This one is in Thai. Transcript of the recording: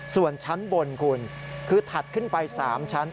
ส่วนชั้นบนคุณคือถัดขึ้นไป๓ชั้น